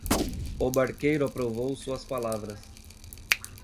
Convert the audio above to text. O barqueiro aprovou suas palavras.